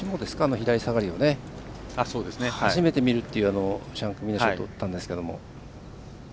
左下がりを初めて見るというシャンク目のショットを打ったんですけど。